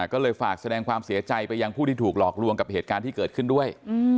ก็เลยฝากแสดงความเสียใจไปยังผู้ที่ถูกหลอกลวงกับเหตุการณ์ที่เกิดขึ้นด้วย